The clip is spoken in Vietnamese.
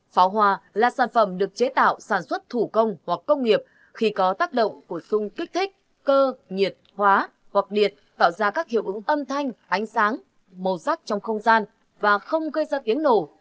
pháo hoa là sản phẩm được chế tạo sản xuất thủ công hoặc công nghiệp khi có tác động của sung kích thích cơ nhiệt hóa hoặc điện tạo ra các hiệu ứng âm thanh ánh sáng màu sắc trong không gian và không gây ra tiếng nổ